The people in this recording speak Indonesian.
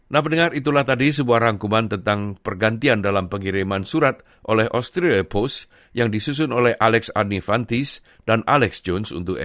nah pendengar itulah tadi sebuah rangkuman tentang pergantian dalam pengiriman surat oleh australia post